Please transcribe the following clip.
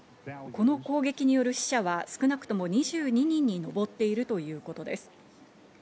この攻撃による死者は少なくとも２２人に上っているということです。